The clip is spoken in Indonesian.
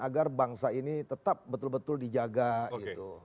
agar bangsa ini tetap betul betul dijaga gitu